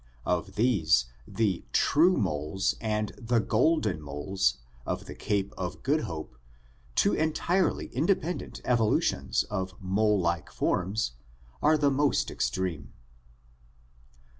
Of these the true moles and the golden moles (Chrysochloridae) of the Cape of Good Hope, two entirely independent evolutions of molelike forms, are the most extreme.